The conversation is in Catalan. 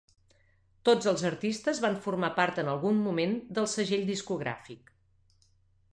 Tots els artistes van formar part en algun moment del segell discogràfic.